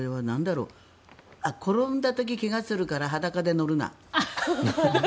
転んだ時、怪我するから裸で乗るな。